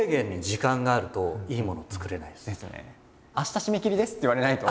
明日締め切りですって言われないと。